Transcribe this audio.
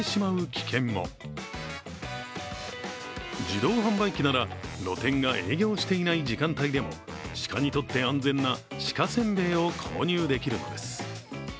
自動販売機なら、露店が営業していない時間帯でも鹿にとって安全な鹿せんべいを購入できるのです。